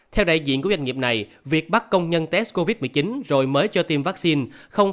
theo đại diện của doanh nghiệp này việc bắt công nhân test covid một mươi chín rồi mới cho tiêm vaccine